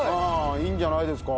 いいんじゃないですか？